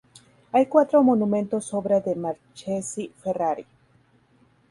Hay cuatro monumentos obra de Marchesi Ferrari.